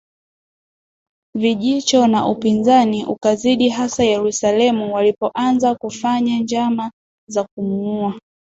Vijicho na upinzani ukazidi hasa Yerusalemu walipoanza kufanya njama za kumuua